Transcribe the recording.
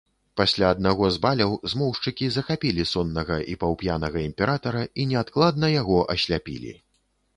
Пасля аднаго з баляў змоўшчыкі захапілі соннага і паўп'янага імператара і неадкладна яго асляпілі.